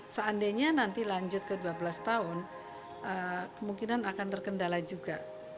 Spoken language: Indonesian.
seandainya nanti lanjut ke dua belas tahun kemungkinan akan terkendala juga